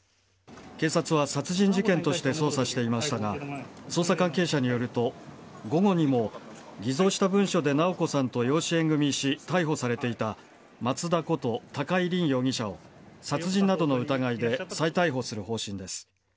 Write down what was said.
警察は殺人事件として捜査していましたが捜査関係者によると午後にも偽造した文書で直子さんと養子縁組し逮捕されていた松田こと高井凜容疑者を殺人などの疑いで再逮捕する方針です。